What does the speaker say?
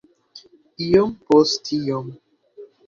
iom post iom